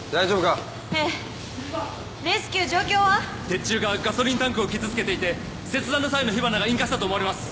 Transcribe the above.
鉄柱がガソリンタンクを傷つけていて切断の際の火花が引火したと思われます。